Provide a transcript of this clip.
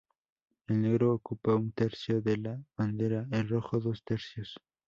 El negro ocupa un tercio de la bandera; el rojo, dos tercios.